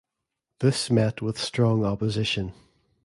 This met with strong opposition.